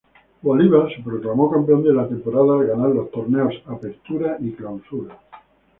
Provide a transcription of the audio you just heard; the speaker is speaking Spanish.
Bolívar se proclamó Campeón de la Temporada al ganar los torneos Apertura y Clausura.